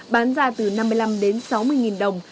đắn ra từ năm mươi năm sáu mươi đồng